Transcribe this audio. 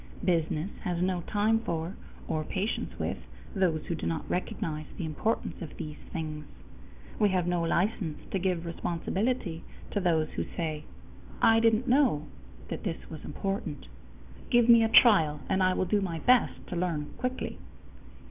Business has no time for or patience with those who do not recognize the importance of these things. We have no license to give responsibility to those who say: "I didn't know that this was important. Give me a trial, and I will do my best to learn quickly."